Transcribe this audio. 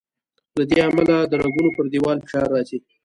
له دې امله د رګونو پر دیوال فشار راځي.